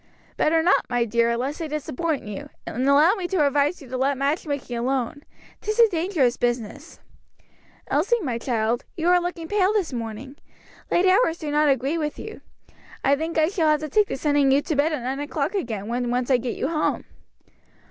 "Better not, my dear, lest they disappoint you, and allow me to advise you to let match making alone; 'tis a dangerous business. Elsie, my child, you are looking pale this morning; late hours do not agree with you. I think I shall have to take to sending you to bed at nine o'clock again, when once I get you home."